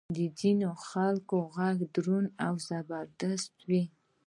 د ځینې خلکو ږغ دروند او زبردست وي.